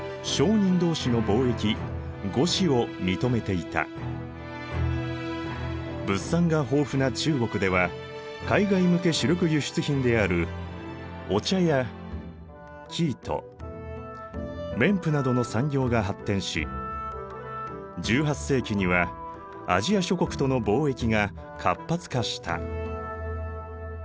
しかし物産が豊富な中国では海外向け主力輸出品であるお茶や生糸綿布などの産業が発展し１８世紀にはアジア諸国との貿易が活発化した。